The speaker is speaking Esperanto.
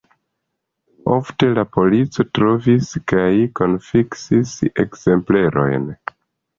Ofte la polico trovis kaj konfiskis ekzemplerojn.